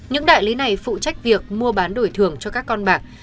những đại lý này phụ trách việc mua bán đổi thưởng cho các con bảng